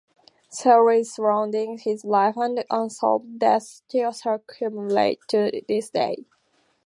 Theories surrounding his life and unsolved death still circulate to this day.